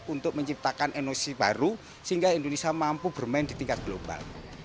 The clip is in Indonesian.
untuk menciptakan energi baru sehingga indonesia mampu bermain di tingkat global